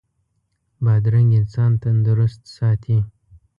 بادرنګ انسان تندرست ساتي.